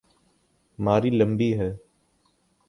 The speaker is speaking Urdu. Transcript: ماری لمبی ہے۔